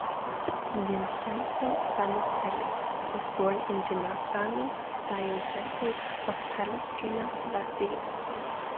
Vincenzo Vannutelli was born in Genazzano, Diocese of Palestrina, Lazio.